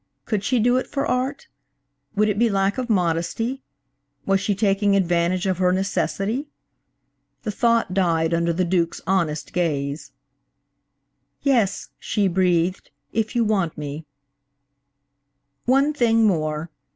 Could she do it for art? Would it be lack of modesty? Was she taking advantage of her necessity? The thought died under the Duke's honest gaze. "Yes," she breathed, "if you want me." "One thing more."